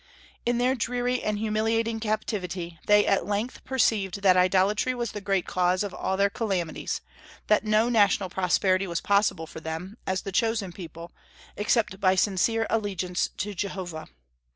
In their dreary and humiliating captivity they at length perceived that idolatry was the great cause of all their calamities; that no national prosperity was possible for them, as the chosen people, except by sincere allegiance to Jehovah.